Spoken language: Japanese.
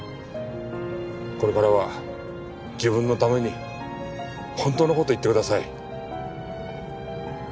これからは自分のために本当の事を言ってください。